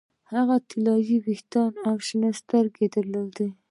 هغې طلايي ویښتان او شنې سترګې درلودې